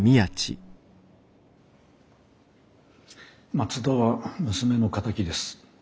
松田は娘の敵です。